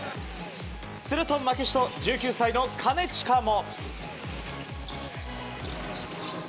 すると負けじと１９歳の金近も。